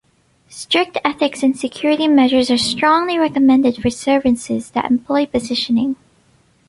Strict ethics and security measures are strongly recommended for services that employ positioning.